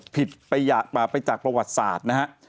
ผิดไปจากประวัติศาสตร์นะฮะ